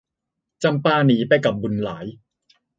จำปาหนีไปกับบุญหลาย